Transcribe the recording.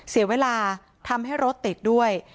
เสียเวลาทำให้รถติดด้วย